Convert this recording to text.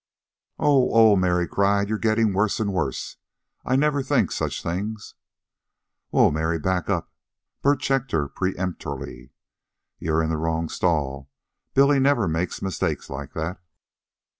"Oh! Oh!" Mary cried. "You're gettin' worse an' worse. I never think such things." "Whoa, Mary! Back up!" Bert checked her peremptorily. "You're in the wrong stall. Billy never makes mistakes like that."